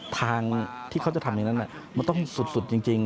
ทางที่เขาจะทำอย่างนั้นมันต้องสุดจริง